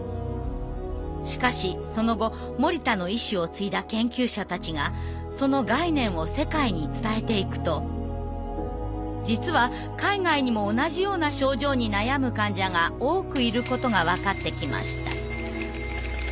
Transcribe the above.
しかしその後森田の意志を継いだ研究者たちがその概念を世界に伝えていくと実は海外にも同じような症状に悩む患者が多くいることが分かってきました。